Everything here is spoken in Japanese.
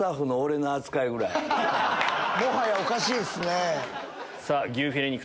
もはやおかしいっすね。